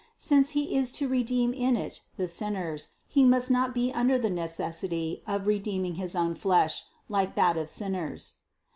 Since He is to redeem in it the sinners, He must not be under the necessity of redeem ing his own flesh, like that of sinners.